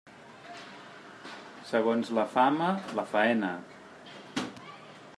Segons la fama, la faena.